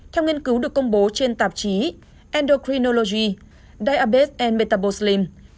theo nghiên cứu được công bố trên tạp chí endocrinology diabetes and metabolism